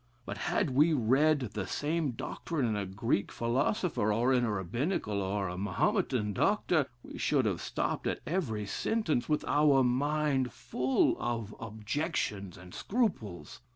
But had we read the same doctrine in a Greek philosopher, or in a Rabbinical or Mahometan doctor, we should have stopped at every sentence with our mind full of objections and scruples.